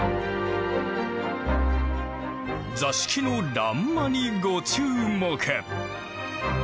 座敷の欄間にご注目。